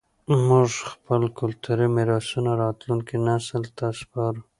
موږ خپل کلتوري میراثونه راتلونکي نسل ته سپارو.